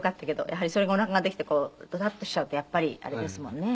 やはりそれがおなかが出てきてドタッとしちゃうとやっぱりあれですもんね。